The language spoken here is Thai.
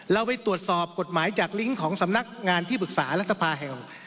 เราไปตรวจสอบกฎหมายจากลิงก์ของสำนักงานที่ปรึกษารัฐภาแฮล